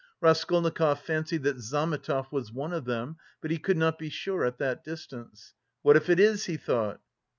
Raskolnikov fancied that Zametov was one of them, but he could not be sure at that distance. "What if it is?" he thought.